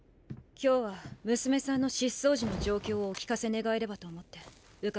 今日は娘さんの失踪時の状況をお聞かせ願えればと思って伺いました。